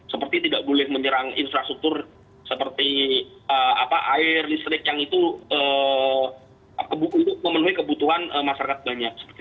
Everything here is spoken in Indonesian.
seperti tidak boleh menyerang infrastruktur seperti air listrik yang itu memenuhi kebutuhan masyarakat banyak